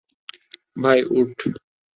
ভাই, উঠ।